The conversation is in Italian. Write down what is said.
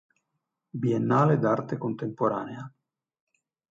Biennale d'arte contemporanea.